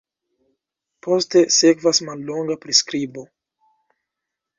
Poste sekvas mallonga priskribo.